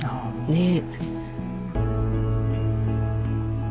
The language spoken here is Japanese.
ねえ。